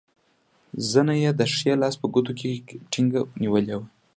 زنه یې د ښي لاس په ګوتو کې ټینګه نیولې وه.